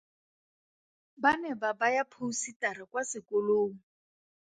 Ba ne ba baya phousetara kwa sekolong.